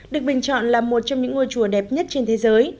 được bình chọn là một trong những ngôi chùa đẹp nhất trên thế giới